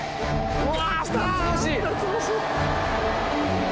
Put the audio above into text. うわ！